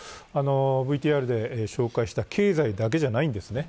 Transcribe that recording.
ＶＴＲで紹介した経済だけじゃないんですね。